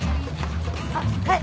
あっはい。